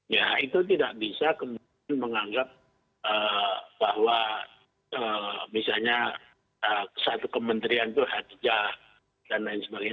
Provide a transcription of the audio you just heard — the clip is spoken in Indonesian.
ya itu tidak bisa kemudian menganggap bahwa misalnya satu kementerian itu hajah dan lain sebagainya